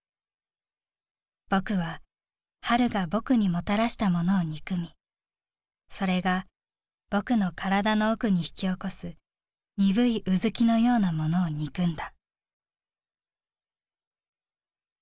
僕は春が僕にもたらしたものを憎み、それが僕の体の奥にひきおこす鈍い疼きのようなものを憎んだ」。